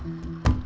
ya udah deh